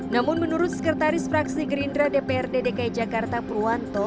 namun menurut sekretaris fraksi gerindra dprd dki jakarta purwanto